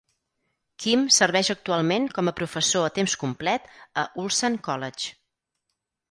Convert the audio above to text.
Kim serveix actualment com a professor a temps complet a Ulsan College.